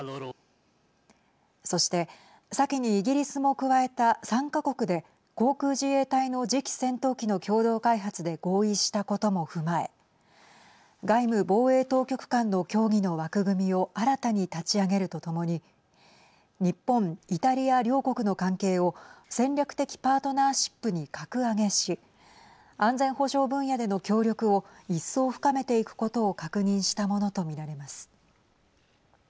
そして、先にイギリスも加えた３か国で、航空自衛隊の次期戦闘機の共同開発で合意したことも踏まえ外務防衛当局間の協議の枠組みを新たに立ち上げるとともに日本、イタリア両国の関係を戦略的パートナーシップに格上げし安全保障分野での協力を一層、深めていくことを確認したものと見られます。